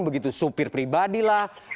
begitu supir pribadi lah